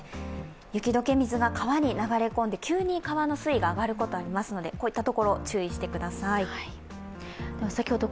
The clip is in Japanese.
雪どけ水が川に流れ込んで、急に川の水位が上がることがありますので、こういったところ注意してください。